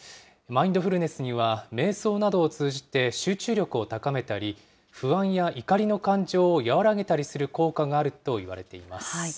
マインドフルネスには、めい想などを通じて集中力を高めたり、不安や怒りの感情を和らげたりする効果があるといわれています。